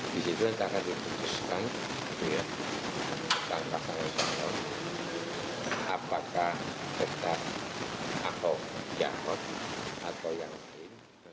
di situ nantikan diputuskan pasangan calon apakah tetap atau jarod atau yang lain